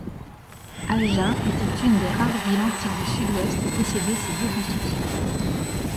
Agen était une des rares villes antiques du sud-ouest à posséder ces deux constructions.